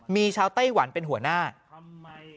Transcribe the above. มีชาวไต้หวันเป็นหัวหน้าครับ